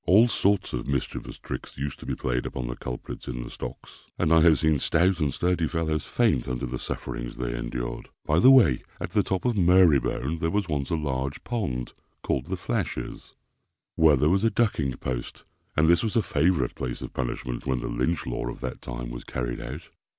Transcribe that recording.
All sorts of mischievous tricks used to be played upon the culprits in the stocks; and I have seen stout and sturdy fellows faint under the sufferings they endured. By the way, at the top of Marybone, there was once a large pond, called the Flashes, where there was a ducking post and this was a favourite place of punishment when the Lynch Law of that time was carried out.